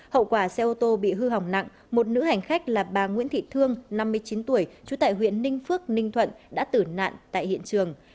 hậu quả xe ô tô bị hư hỏng nặng một nữ hành khách là bà nguyễn thị thương năm mươi chín tuổi trú tại huyện ninh phước ninh thuận đã tử nạn tại hiện trường